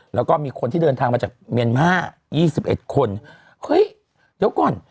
แล้วก็มีคนที่เดินทางมาจากเมียนมาร์๒๑คนเฮ้ยเดี๋ยวก่อน